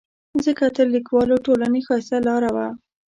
ځکه تر لیکوالو ټولنې ښایسته لاره وه.